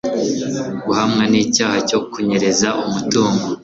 guhamwa n'icyaha cyo kunyereza umutungo